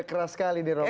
keras sekali nih rob